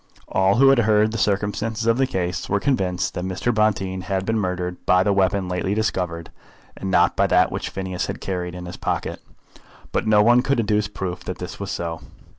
All who had heard the circumstances of the case were convinced that Mr. Bonteen had been murdered by the weapon lately discovered, and not by that which Phineas had carried in his pocket, but no one could adduce proof that it was so.